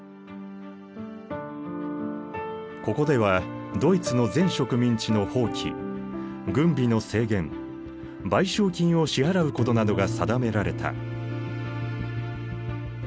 ここではドイツの全植民地の放棄軍備の制限賠償金を支払うことなどが定められた。